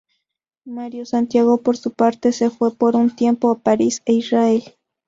Mario Santiago, por su parte, se fue por un tiempo a París e Israel.